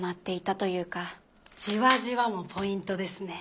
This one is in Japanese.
「じわじわ」もポイントですね。